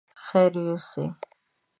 خير يوسې!